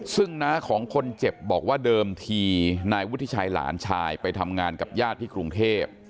ซึ่งน้าของคนเจ็บบอกว่าเดิมทีนายวุฒิชัยหลานชายไปทำงานกับญาติที่กรุงเทพ